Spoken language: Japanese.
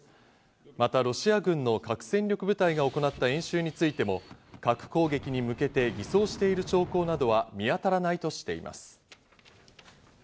またロシア軍の核戦力部隊が行った演習についても核攻撃に向けて偽装している兆候などは見当たらないとしています。